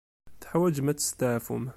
Teḥwaǧem ad testeɛfum.